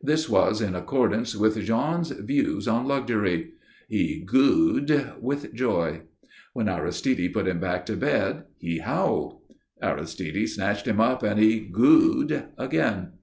This was in accordance with Jean's views on luxury. He "goo'd" with joy. When Aristide put him back to bed he howled. Aristide snatched him up and he "goo'd" again.